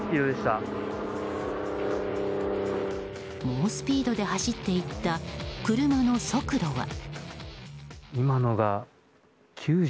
猛スピードで走っていった車の速度は。